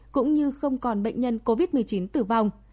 cũng như không còn bệnh nhân covid một mươi chín tử vong